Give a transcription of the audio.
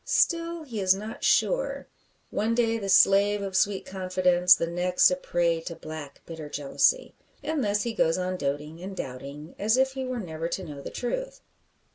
Still he is not sure; one day the slave of sweet confidence, the next a prey to black bitter jealousy. And thus he goes on doting and doubting, as if he were never to know the truth.